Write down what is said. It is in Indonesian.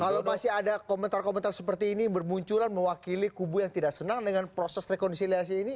kalau masih ada komentar komentar seperti ini bermunculan mewakili kubu yang tidak senang dengan proses rekonsiliasi ini